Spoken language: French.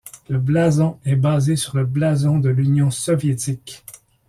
Le blason est basé sur le blason de l'Union soviétique.